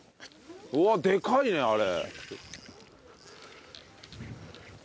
うわっでかいねあれ。